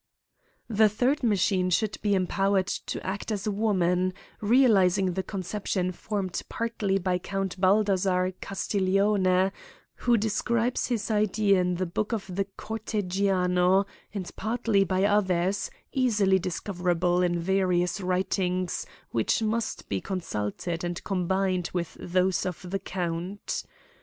The third machine should be empowered to act as a woman, realising the conception formed partly by Count Baldassar Castiglione, who describes his idea in the book of the " Cortegiano," and partly by others, easily discoverable in various writings which must be consulted and combined with those of the Count.